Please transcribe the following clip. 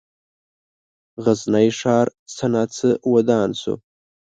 غزني ښار څه ناڅه ودان شو.